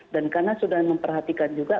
dan karena sudah memperhatikan juga